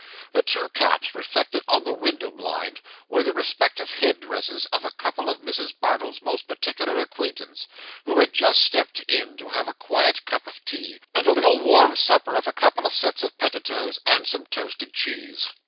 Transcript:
The two caps, reflected on the window blind, were the respective head dresses of a couple of Mrs. Bardell's most particular acquaintance, who had just stepped in, to have a quiet cup of tea, and a little warm supper of a couple of sets of pettitoes and some toasted cheese.